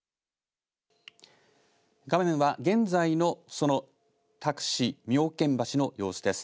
画面は現在のその多久市妙見橋の様子です。